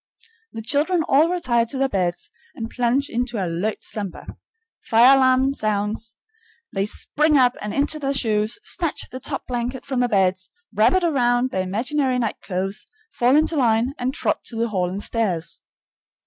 The children all retire to their beds and plunge into alert slumber. Fire alarm sounds. They spring up and into their shoes, snatch the top blanket from their beds, wrap it around their imaginary nightclothes, fall into line, and trot to the hall and stairs.